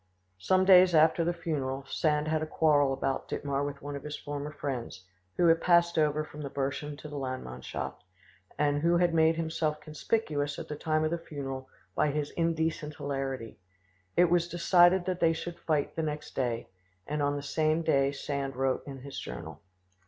Some days after the funeral Sand had a quarrel about Dittmar with one of his former friends, who had passed over from the Burschen to the Landmannschaft, and who had made himself conspicuous at the time of the funeral by his indecent hilarity. It was decided that they should fight the next day, and on the same day Sand wrote in his journal.